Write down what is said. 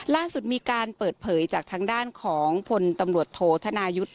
ล่าสุดมีการเปิดเผยจากทางด้านของพลตำรวจโทษธนายุทธ์